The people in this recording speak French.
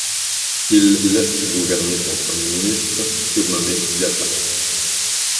Il laisse gouverner son premier ministre, surnommé Diata.